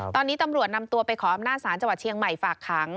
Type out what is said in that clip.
ตอนนี้ตำรวจนำตัวไปขออำนาจศาลจังหวัดเชียงใหม่ฝากขัง